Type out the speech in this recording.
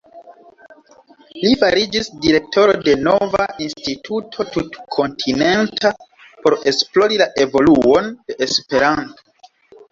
Li fariĝis direktoro de nova instituto tutkontinenta, por esplori la evoluon de Esperanto.